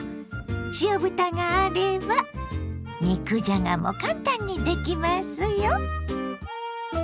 塩豚があれば肉じゃがも簡単にできますよ。